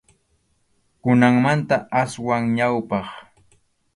Kunanmanta aswan ñawpaq.